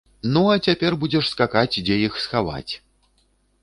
Ну, а цяпер будзеш скакаць, дзе іх схаваць.